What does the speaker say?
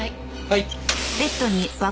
はい。